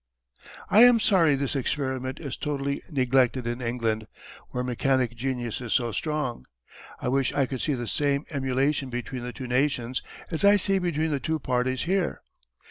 & U.] I am sorry this Experiment is totally neglected in England, where mechanic Genius is so strong. I wish I could see the same Emulation between the two Nations as I see between the two Parties here.